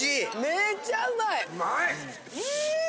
めっちゃうまい！